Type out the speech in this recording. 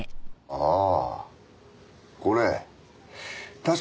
ああ。